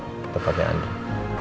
di tempatnya andin